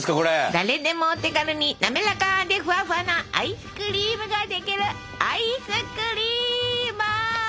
誰でもお手軽に滑らかでフワフワなアイスクリームができるアイスクリーマー！